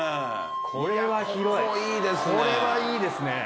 これはいいですね。